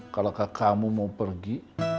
kalau kamu mau pergi